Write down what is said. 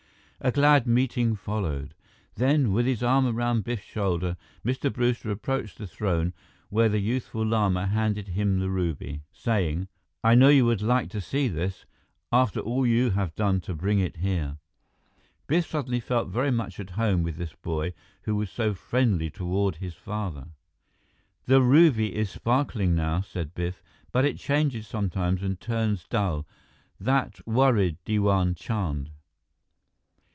A glad meeting followed. Then, with his arm around Biff's shoulder, Mr. Brewster approached the throne, where the youthful Lama handed him the ruby, saying, "I know you would like to see this, after all you have done to bring it here." Biff suddenly felt very much at home with this boy who was so friendly toward his father. "The ruby is sparkling now," said Biff, "but it changes sometimes and turns dull. That worried Diwan Chand."